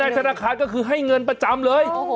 ธนาคารก็คือให้เงินประจำเลย